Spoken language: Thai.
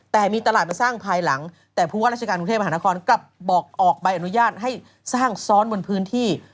แต่มีตลาดมาสร้างภายหลังแต่ผู้ว่าราชการกรุงเทพมหานครกลับบอกออกใบอนุญาตให้สร้างซ้อนบนพื้นที่